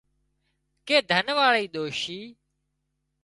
ڪي ڌن واۯي ڏوشي